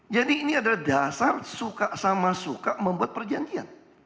jadi ini adalah dasar suka sama suka membuat perjanjian